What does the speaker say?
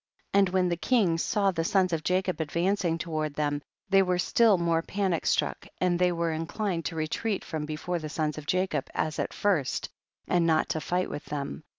21. And when the kings saw the sons of Jacob advancing toward them, they were still more panic struck, and they wei'e inclined to retreat from before the sons of Jacob as at first, and not to fight with them.